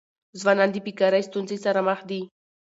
ځوانان د بيکاری ستونزې سره مخ دي.